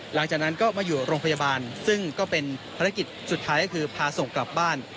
หลังจากนั้นก็มาอยู่โรงพยาบาลซึ่งก็เป็นภารกิจสุดท้ายก็คือพาส่งกลับบ้าน